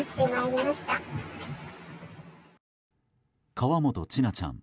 河本千奈ちゃん。